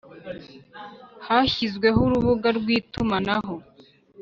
hashyizweho urubuga rw itumanaho.